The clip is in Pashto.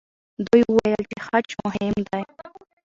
دوی وویل چې خج مهم دی.